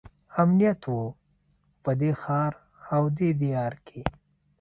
امنیت وو په دې ښار او دې دیار کې.